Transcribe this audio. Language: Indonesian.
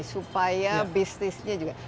supaya bisnisnya juga